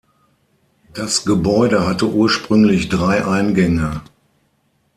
Das Gebäude hatte ursprünglich drei Eingänge.